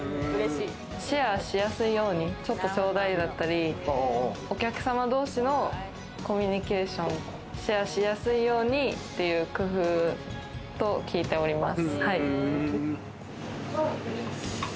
シェアしやすいように、ちょっと頂戴だったり、お客様同士のコミュニケーション、シェアしやすいようにっていう工夫と聞いております。